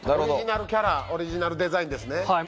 オリジナルキャラオリジナルデザインですね。